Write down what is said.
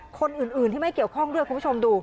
คนอื่นที่ไม่เกี่ยวข้องด้วยคุณผู้ชมดู